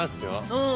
うん。